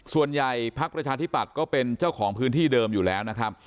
ภักดิ์ประชาธิปัตย์ก็เป็นเจ้าของพื้นที่เดิมอยู่แล้วนะครับ